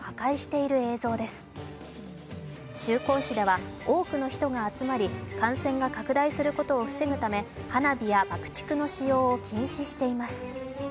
市では多くの人が集まり感染が拡大することを防ぐため花火や爆竹の使用を禁止しています。